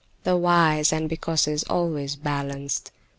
The "whys" and "becauses" always balanced.